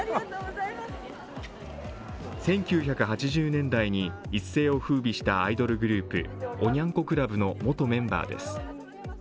１９８０年代に一世をふうびしたアイドルグループおニャン子クラブの元メンバーです。